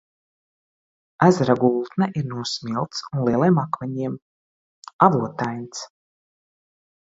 Ezera gultne ir no smilts un lieliem akmeņiem, avotains.